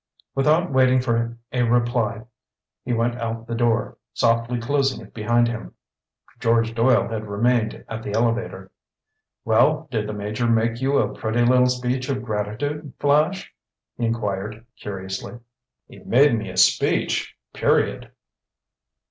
Without waiting for a reply he went out the door, softly closing it behind him. George Doyle had remained at the elevator. "Well, did the Major make you a pretty little speech of gratitude, Flash?" he inquired curiously. "He made me a speech. Period."